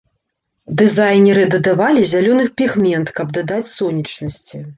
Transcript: Дызайнеры дадавалі зялёны пігмент, каб дадаць сонечнасці.